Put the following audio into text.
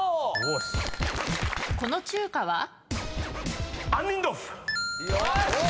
この中華は？